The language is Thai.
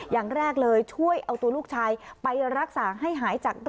อย่างแรกเลยช่วยเอาตัวลูกชายไปรักษา